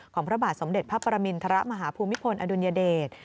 พระบาทสมเด็จพระปรมินทรมาฮภูมิพลอดุลยเดช